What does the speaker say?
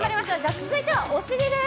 続いてはお尻です。